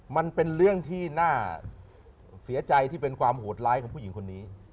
มันเป็นเรื่องที่น่าเสียใจที่เป็นความโหดร้ายของผู้หญิงคนนี้